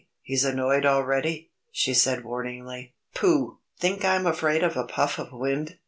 He's annoyed already!" she said warningly. "Pooh! Think I'm afraid of a puff of wind!"